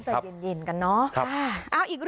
ต้องจะเย็นเย็นกันเนาะครับอ้าวอีก